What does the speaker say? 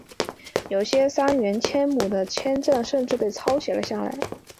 有些杉原千亩的签证甚至被抄写了下来。